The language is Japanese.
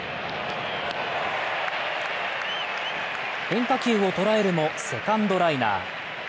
変化球を捉えるもセカンドライナー。